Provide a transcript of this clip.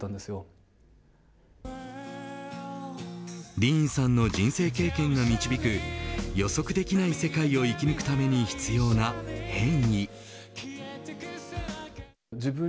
ディーンさんの人生経験が導く予測できない世界を生き抜くために必要な変異。